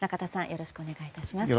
よろしくお願いします。